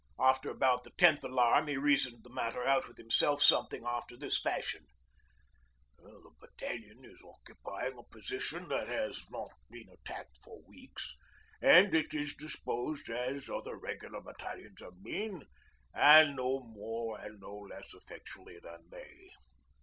After about the tenth alarm he reasoned the matter out with himself something after this fashion: 'The battalion is occupying a position that has not been attacked for weeks, and it is disposed as other Regular battalions have been, and no more and no less effectually than they.